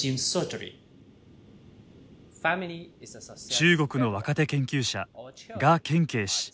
中国の若手研究者賀建奎氏。